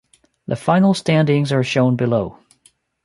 The final standings are shown below.